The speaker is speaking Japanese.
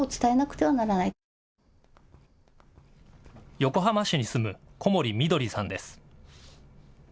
横浜市に住む小森美登里さんです。